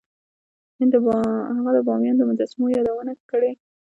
هغه د بامیان د مجسمو یادونه کړې